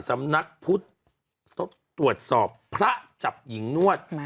สำนักพุทธตรวจสอบพระจับหญิงนวด